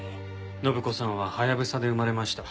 展子さんはハヤブサで生まれました。